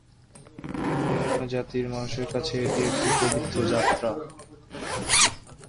বিভিন্ন জাতির মানুষের কাছে এটি একটি পবিত্র যাত্রা।